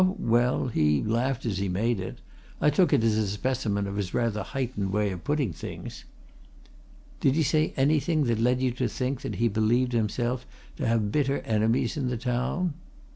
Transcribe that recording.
"Oh, well he laughed as he made it. I took it as a specimen of his rather heightened way of putting things." "Did he say anything that led you to think that he believed himself to have bitter enemies in the town?"